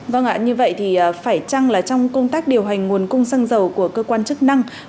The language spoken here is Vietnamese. vâng ạ như vậy thì phải chăng là trong công tác điều hành nguồn cung xăng dầu của cơ quan chức năng